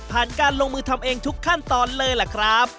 การลงมือทำเองทุกขั้นตอนเลยล่ะครับ